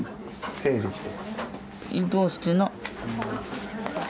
整理して。